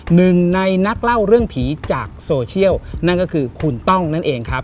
หนึ่งในนักเล่าเรื่องผีจากโซเชียลนั่นก็คือคุณต้องนั่นเองครับ